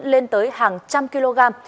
lên tới hàng trăm kg